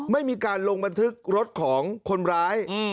ไม่มีการลงบันทึกรถของคนร้าย